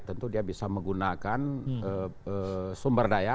tentu dia bisa menggunakan sumber daya